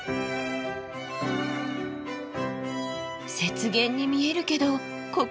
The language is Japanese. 雪原に見えるけどここは沼。